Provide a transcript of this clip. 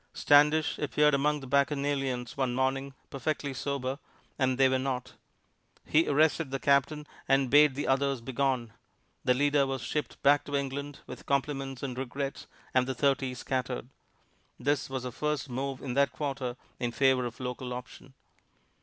Standish appeared among the bacchanalians one morning, perfectly sober, and they were not. He arrested the captain, and bade the others begone. The leader was shipped back to England, with compliments and regrets, and the thirty scattered. This was the first move in that quarter in favor of local option.